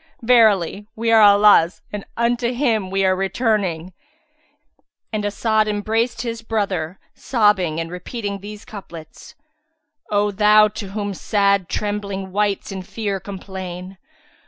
Verily, we are Allah's and unto Him we are returning."[FN#364] And As'ad em braced his brother, sobbing and repeating these couplets, "O Thou to whom sad trembling wights in fear complain!